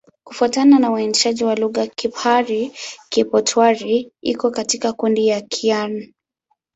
Kufuatana na uainishaji wa lugha, Kipahari-Kipotwari iko katika kundi la Kiaryan.